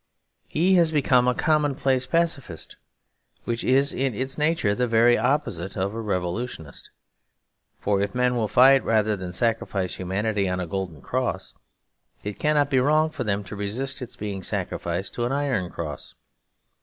He has become a commonplace Pacifist, which is in its nature the very opposite of a revolutionist; for if men will fight rather than sacrifice humanity on a golden cross, it cannot be wrong for them to resist its being sacrificed to an iron cross.